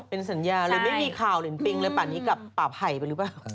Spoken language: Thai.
เป็นสัญญาเลยไม่มีข่าวลินปิงเลยป่านนี้กับป่าไผ่ไปหรือเปล่า